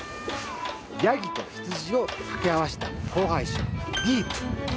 ヤギとヒツジを掛け合わせた交配種ギープ。